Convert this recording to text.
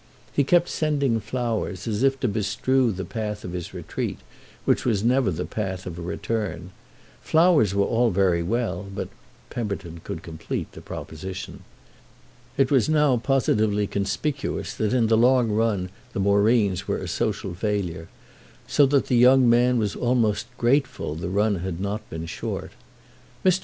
He kept sending flowers, as if to bestrew the path of his retreat, which was never the path of a return. Flowers were all very well, but—Pemberton could complete the proposition. It was now positively conspicuous that in the long run the Moreens were a social failure; so that the young man was almost grateful the run had not been short. Mr.